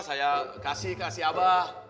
saya kasih kasih abah